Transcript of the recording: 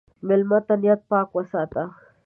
مېلمه ته نیت پاک وساته.